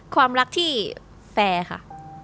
ความรักที่แฟร์ค่ะ